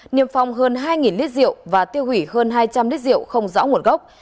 niêm phong hơn hai lít rượu và tiêu hủy hơn hai trăm linh lít rượu không rõ nguồn gốc